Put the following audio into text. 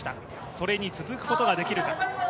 それに続くことができるか。